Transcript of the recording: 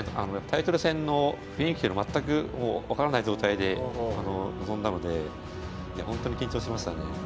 タイトル戦の雰囲気の全く分からない状態で臨んだのでほんとに緊張しましたね。